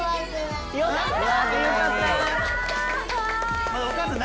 よかった！